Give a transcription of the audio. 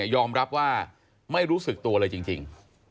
ยอมรับว่าไม่รู้สึกตัวเลยจริง